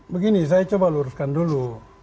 begini saya coba luruskan dulu